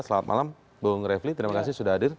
selamat malam bung refli terima kasih sudah hadir